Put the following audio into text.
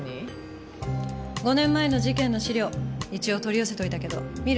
５年前の事件の資料一応取り寄せておいたけど見る？